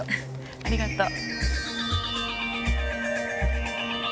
あありがとう。